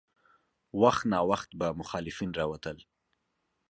وخت ناوخت به مخالفین راوتل.